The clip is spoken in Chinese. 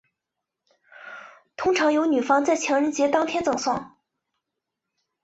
通常由女方在情人节当天赠送。